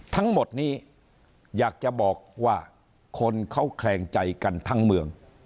ทั้งหมดนี้อยากจะบอกว่าคนเขาแคลงใจกันทั้งเมือง